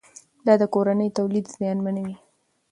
دا د کورني تولید زیانمنوي.